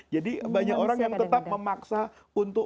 jadi banyak orang yang tetap memaksa untuk